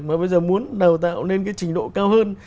mà bây giờ muốn đào tạo lên cái trình độ cao hơn